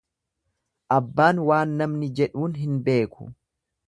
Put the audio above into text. Abbaan waan namni jedhuun hin beeku.